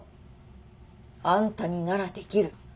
あんたにならできる。